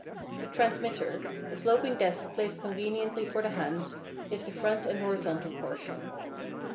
The transmitter, a sloping desk placed conveniently for the hand, is the front and horizontal portion.